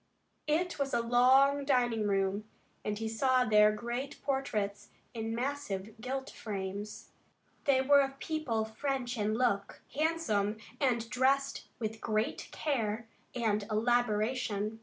It was a long dining room, and he saw there great portraits in massive gilt frames. They were of people French in look, handsome, and dressed with great care and elaboration.